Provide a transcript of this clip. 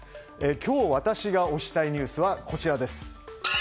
今日、私が推したいニュースはこちらです。